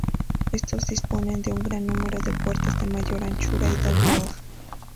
Estos disponen de un gran número de puertas, de mayor anchura y doble hoja.